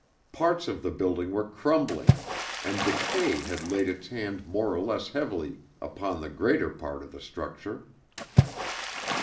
Parts of the building were crumbling, and decay had laid its hand more or less heavily upon the greater part of the structure.